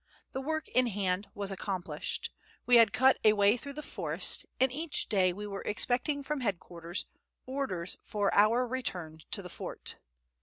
The work in hand was accomplished: we had cut a way through the forest, and each day we were expecting from headquarters orders for our return to the fort.